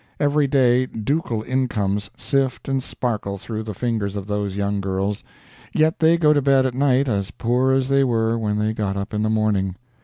Every day ducal incomes sift and sparkle through the fingers of those young girls; yet they go to bed at night as poor as they were when they got up in the morning.